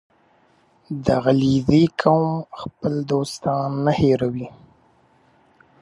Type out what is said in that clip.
• د علیزي قوم خلک خپل دوستان نه هېروي.